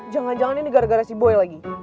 jangan jangan ini gara gara si boy lagi